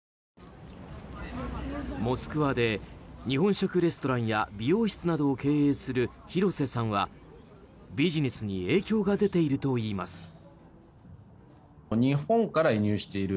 モスクワで日本食レストランや美容室などを経営する廣瀬さんはビジネスに影響が出ているといいます。